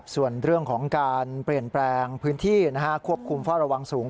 ส่วนเรื่องของการเปลี่ยนแปลงพื้นที่ควบคุมเฝ้าระวังสูง